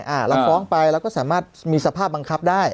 เราฟ้องไปเราก็สามารถมีสภาพบังคับได้